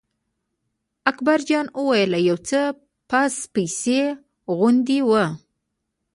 اکبر جان وویل: یو څه پس پسي غوندې و.